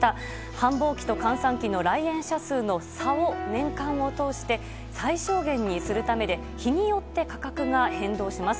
繁忙期と閑散期の来園者数の差を年間を通して最小限にするためで日によって価格が変動します。